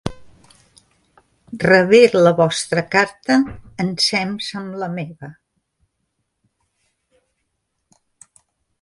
Rebé la vostra carta ensems amb la meva.